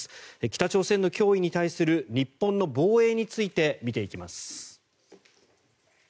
北朝鮮の脅威に対する日本の防衛について見ていきます。